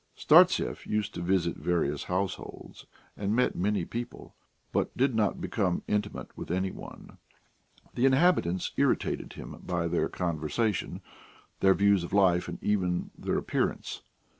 Startsev used to visit various households and met many people, but did not become intimate with any one. The inhabitants irritated him by their conversation, their views of life, and even their appearance.